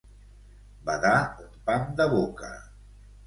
Badar un pam de boca.